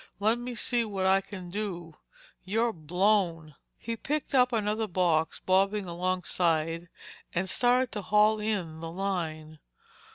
Let me see what I can do. You're blown." He picked up another box bobbing alongside and started to haul in the line.